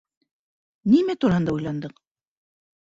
Нимә тураһында уйландың?